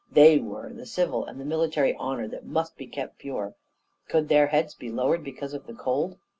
they were the civil and the military honour that must be kept pure; could their heads be lowered because of the cold?